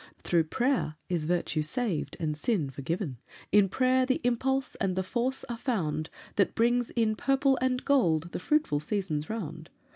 Through prayer is virtue saved and sin forgiven; In prayer the impulse and the force are found That bring in purple and gold the fruitful seasons round.